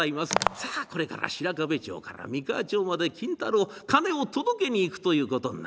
さあこれから白壁町から三河町まで金太郎金を届けに行くということになった。